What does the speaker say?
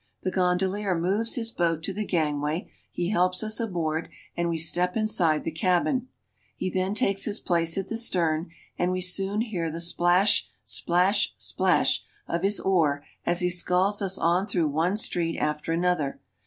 The gondolier moves his boat to the gangway ; he helps us aboard, and we step inside the cabin. He then takes his place at the stern, and we soon hear the splash, ^_ splash, splash of his oar as he sculls us on through one street after another.